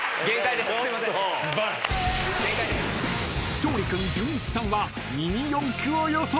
［勝利君じゅんいちさんはミニ四駆を予想］